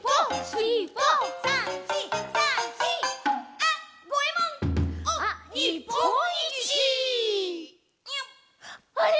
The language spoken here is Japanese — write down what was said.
「あれ？